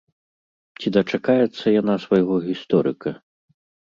Ці дачакаецца яна свайго гісторыка?